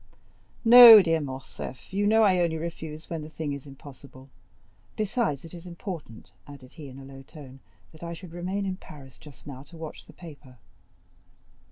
"No, dear Morcerf; you know I only refuse when the thing is impossible. Besides, it is important," added he in a low tone, "that I should remain in Paris just now to watch the paper."